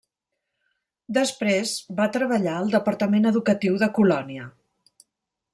Després va treballar al departament educatiu de Colònia.